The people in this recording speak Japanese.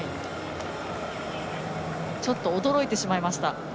ちょっと驚いてしまいました。